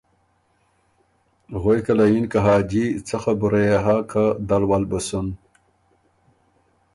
غوېکه له یِن که ”حاجی څۀ خبُره يې هۀ که دل ول بُو سُن۔